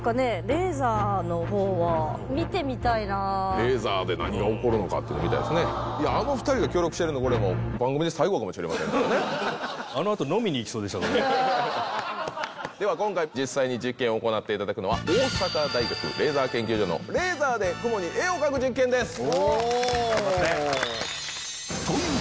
レーザーの方は見てみたいなっていうの見たいですねかもしれませんからねでは今回実際に実験を行っていただくのは大阪大学レーザー研究所のレーザーで雲に絵を描く実験です・おお・頑張ってという